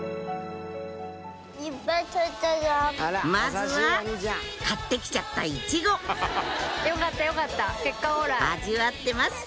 まずは買ってきちゃたイチゴ味わってます